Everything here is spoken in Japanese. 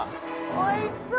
おいしそう！